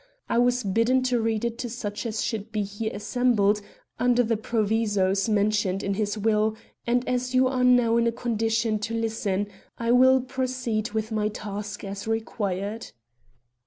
I was bidden to read it to such as should be here assembled under the provisos mentioned in his will; and as you are now in a condition to listen, I will proceed with my task as required."